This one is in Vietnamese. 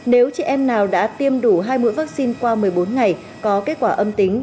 nếu chị em nào đã tiêm đủ hai mũi vaccine qua một mươi bốn ngày có kết quả âm tính